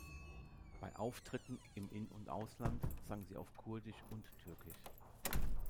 Bei Auftritten im In- und Ausland sang sie auf Kurdisch und Türkisch.